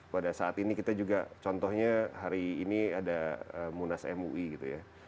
pada saat ini kita juga contohnya hari ini ada munas mui gitu ya